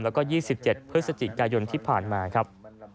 แล้วก็๒๗พฤศจิกายนที่ผ่านมาครับ